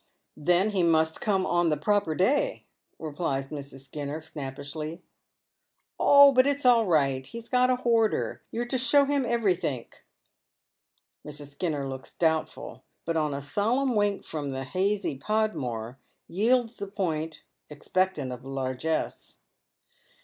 " Then he must come on the proper day," replies Mrs. Skinner, snappishly. " Oh, but it's all right ; he's got a border. You're to show him everythink." Mrs. Skinner looks doubtful ; but on a solemn wink from the Hjazy Podmore, yields the point, expectant of largess.